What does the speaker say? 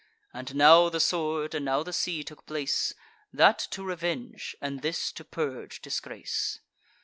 And now the sword, and now the sea took place, That to revenge, and this to purge disgrace.